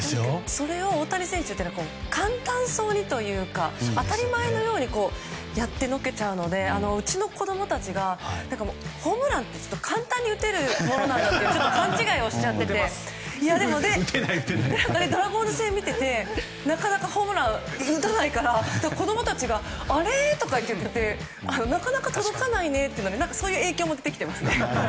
それを大谷選手は簡単そうにというか当たり前のようにやってのけるのでうちの子供たちがホームランって簡単に打てるものなんだと勘違いをしちゃっててドラゴンズ戦を見ていてなかなかホームランを打たないから子供たちが、あれ？とか言っててなかなか届かないねってそういう影響も出てきています。